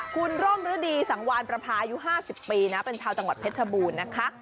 คุณร่มฤดีสังวานประพาอายุ๕๐ปีนะเป็นชาวจังหวัดเพชรบูรณ์นะคะ